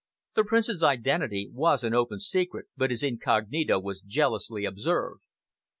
The Prince's identity was an open secret, but his incognito was jealously observed.